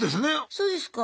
そうですか。